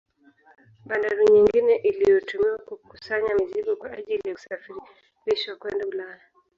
Babdari nyingine iliyotumiwa kukusanya mizigo kwa ajili ya kusafirishwa kwenda Ulaya